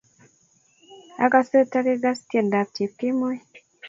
Akase ta kigas tyendap Chepkemboi.